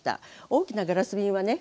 大きなガラス瓶はね